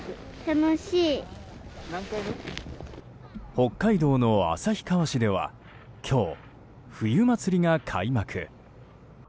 北海道の旭川市では今日、冬まつりが開幕。